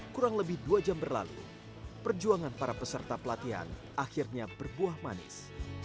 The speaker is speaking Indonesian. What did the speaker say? kurang lebih dua jam berlalu perjuangan para peserta pelatihan akhirnya berbuah manis